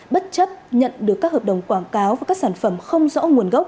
bất chấp nhận được các hợp đồng quảng cáo và các sản phẩm không rõ nguồn gốc